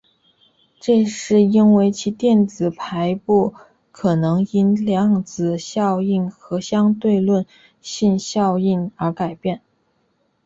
这是因为其电子排布可能因量子效应和相对论性效应而改变。